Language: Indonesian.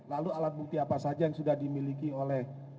lalu alat bukti apa saja yang sudah dimiliki oleh